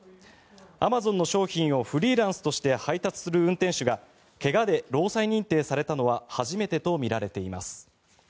アマゾンの商品をフリーランスとして配達する運転手が怪我で労災認定されたのは初めてとみられています。